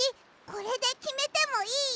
これできめてもいい？